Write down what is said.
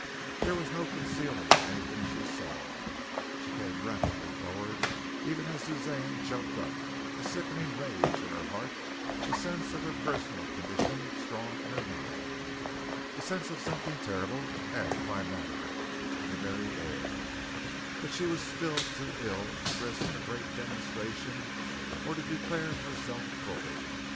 There was no concealing anything she saw. She came rapidly forward, even as Suzanne jumped up, a sickening rage in her heart, a sense of her personal condition strong in her mind, a sense of something terrible and climacteric in the very air, but she was still too ill to risk a great demonstration or to declare herself fully.